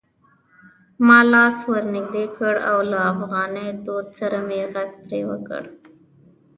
ما لاس ور نږدې کړ او له افغاني دود سره مې غږ پرې وکړ: